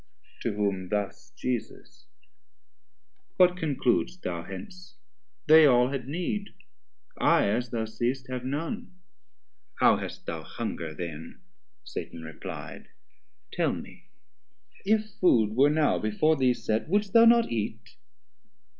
To whom thus Jesus; what conclud'st thou hence? They all had need, I as thou seest have none. How hast thou hunger then? Satan reply'd, Tell me if Food were now before thee set, 320 Would'st thou not eat?